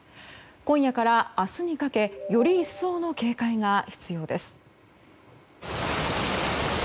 今夜から明日にかけより一層の警戒が必要です。